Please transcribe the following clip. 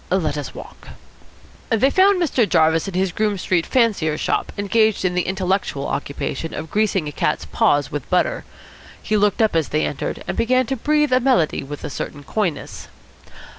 Let us walk." They found Mr. Jarvis in his Groome Street fancier's shop, engaged in the intellectual occupation of greasing a cat's paws with butter. He looked up as they entered, and began to breathe a melody with a certain coyness.